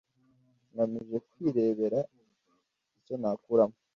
Ngamije kwirebera icyo nakuramo